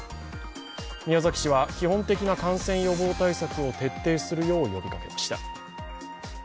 宮崎市は基本的な感染予防対策を徹底するよう呼びかけました。